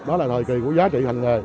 đó là thời kỳ của giá trị hành nghề